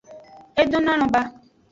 E donoalon ba.